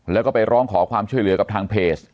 แล้วก็ไปร้องขอความช่วยเหลือกับทางเพจ